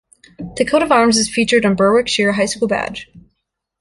The coat of arms is featured on Berwickshire High School badge.